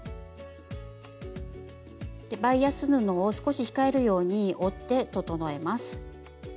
バイアス布を少し控えるように折って整えます。